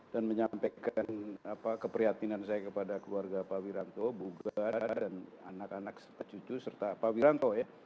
dan menyampaikan keprihatinan saya kepada keluarga pak wiranto buka dan anak anak cucu serta pak wiranto ya